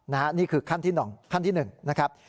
นี่คือขั้นที่๑นะครับ